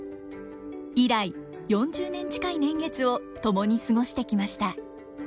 以来４０年近い年月を共に過ごしてきました。